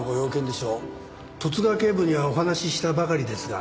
十津川警部にはお話ししたばかりですが。